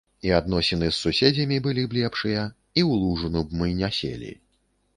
І адносіны з суседзямі былі б лепшыя, і ў лужыну б мы не селі.